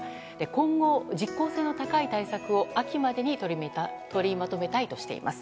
今後、実効性の高い対策を秋までに取りまとめたいとしています。